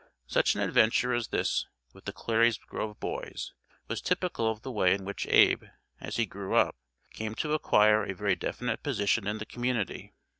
Such an adventure as this with the "Clary's Grove Boys" was typical of the way in which Abe, as he grew up, came to acquire a very definite position in the community.